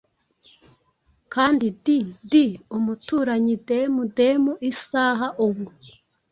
Kandi di-di umuturanyi dem dem isaha ubu